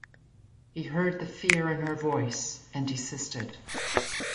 He heard the fear in her voice, and desisted.